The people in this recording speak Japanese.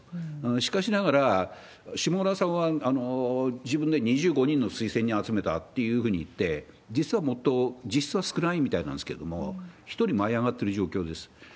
しかしながら、下村さんは自分で２５人の推薦人を集めたっていうふうに言って、実はもっと実質は少ないみたいなんですけれども、一人舞い上がってる状況です。